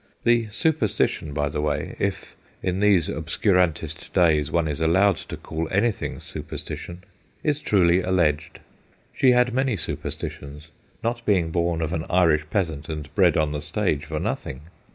The superstition, by the way, if in these obscurantist days one is allowed to call anything superstition is truly alleged : 218 THE GHOSTS OF PICCADILLY she had many superstitions, not being born of an Irish peasant and bred on the stage for nothing.